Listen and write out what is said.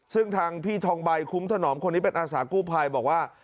ซึ่งทางพี่ทองใบคุ้มถนอมคนนี้เป็นอาสากู้ภัยบอกว่า